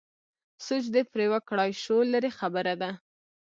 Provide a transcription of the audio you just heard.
سوچ دې پرې وکړای شو لرې خبره ده.